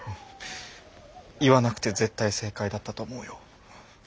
言わなくて絶対正解だったと思うよ。